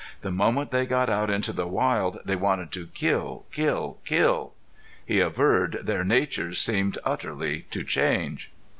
The moment they got out into the wild they wanted to kill, kill, kill. He averred their natures seemed utterly to change.